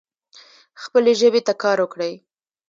خپلي ژبي ته کار وکړئ.